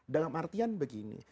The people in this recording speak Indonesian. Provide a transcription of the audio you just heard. dalam artian begini